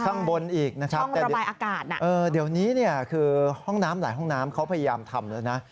ข้างบนอีกนะครับห้องระบายอากาศน่ะเออเดี๋ยวนี้เนี่ยคือห้องน้ำหลายห้องน้ำเขาพยายามทำนะ